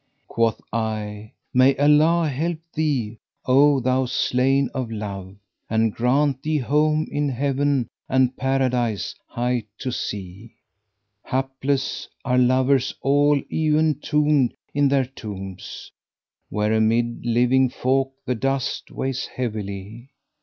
Quoth I, 'May Allah help thee, O thou slain of Love, * And grant thee home in Heaven and Paradise height to see!' Hapless are lovers all e'en tombed in their tombs, * Where amid living folk the dust weighs heavily!